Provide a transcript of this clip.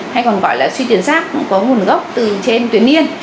hay còn gọi là suy tuyến giáp có nguồn gốc từ trên tuyến yên